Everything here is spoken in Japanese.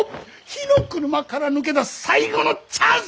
火の車から抜け出す最後のチャンス！